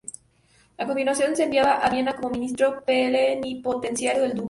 A continuación es enviado a Viena como ministro plenipotenciario del duque.